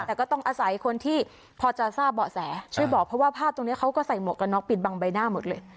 แต่ก็ต้องอาศัยคนที่พอจะทราบเบาะแสช่วยบอกเพราะว่าภาพตรงนี้เขาก็ใส่หมวกกันน็อกปิดบังใบหน้าหมดเลย